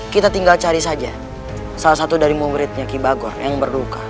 kita tinggal cari saja salah satu dari muridnya kibagor yang berduka